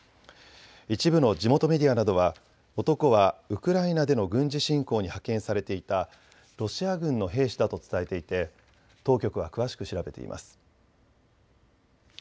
一部の地元メディアなどは男はウクライナでの軍事侵攻に派遣されていたロシア軍の兵士だと伝えていて当局は詳しく調べています。